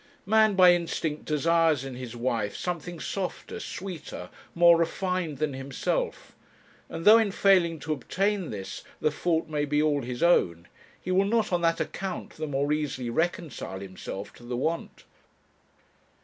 Man by instinct desires in his wife something softer, sweeter, more refined than himself; and though in failing to obtain this, the fault may be all his own, he will not on that account the more easily reconcile himself to the want.